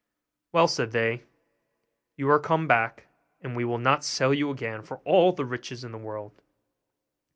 'Well,' said they, 'you are come back, and we will not sell you again for all the riches in the world.